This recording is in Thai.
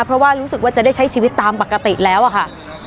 เพราะว่ารู้สึกว่าจะได้ใช้ชีวิตตามปกติแล้วอะค่ะ